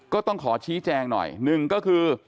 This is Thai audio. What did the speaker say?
ก็ต้องขอชี้แจงหน่อยหนึ่งก็คือ